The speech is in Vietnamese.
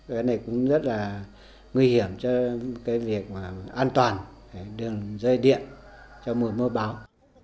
cái này cũng rất là nguy hiểm cho cái việc an toàn đường dây điện trong mùa mưa báo